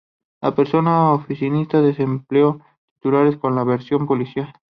La prensa oficialista desplegó titulares con la versión policial.